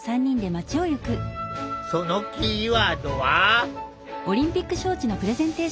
そのキーワードは。